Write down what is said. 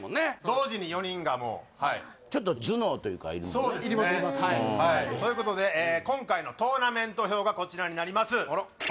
同時に４人がもうちょっと頭脳というかいるもんねいりますいりますそういうことで今回のトーナメント表がこちらになります